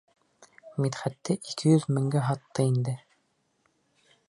Мидхәтте ике йөҙ меңгә һатты инде...